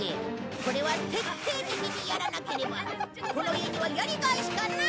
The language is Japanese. これは徹底的にやらなければこの家にはやりがいしかない！